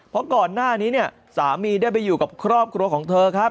เพราะก่อนหน้านี้เนี่ยสามีได้ไปอยู่กับครอบครัวของเธอครับ